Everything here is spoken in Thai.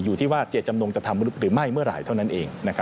อยู่ที่ว่าเจตจำนงจะทำหรือไม่เมื่อไหร่เท่านั้นเอง